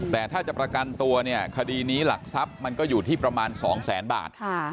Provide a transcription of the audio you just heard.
แต่ถ้าจะประกันตัวเนี่ยคดีนี้หลักทรัพย์มันก็อยู่ที่ประมาณ๒แสนบาท